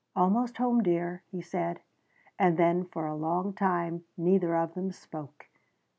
"Almost home, dear," he said, and then for a long time neither of them spoke.